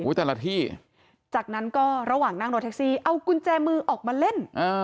แต่ละที่จากนั้นก็ระหว่างนั่งรถแท็กซี่เอากุญแจมือออกมาเล่น